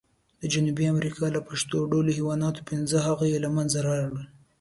د جنوبي امریکا له شپېتو ډولو حیواناتو، پینځه هغه یې له منځه لاړل.